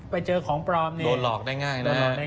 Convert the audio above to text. ไปเจอของปลอมโดนหลอกได้ง่าย